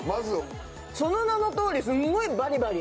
その名の通りすごいバリバリ。